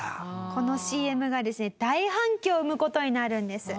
このＣＭがですね大反響を生む事になるんです。